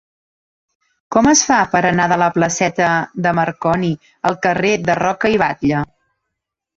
Com es fa per anar de la placeta de Marconi al carrer de Roca i Batlle?